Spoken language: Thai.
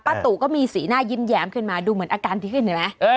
ตู่ก็มีสีหน้ายิ้มแย้มขึ้นมาดูเหมือนอาการดีขึ้นเห็นไหม